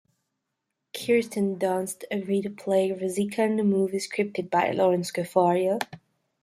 Kirsten Dunst agreed to play Ruzicka in the movie scripted by Lorene Scafaria.